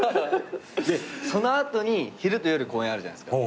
その後に昼と夜公演あるじゃないですか。